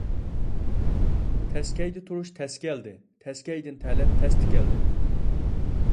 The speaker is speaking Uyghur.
تەسكەيدە تۇرۇش تەس كەلدى، تەسكەيدىن تەلەت تەستە كەلدى.